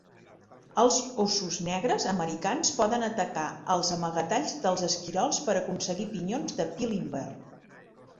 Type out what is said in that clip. Els óssos negres americans poden atacar els amagatalls dels esquirols per aconseguir pinyons de pi Limber.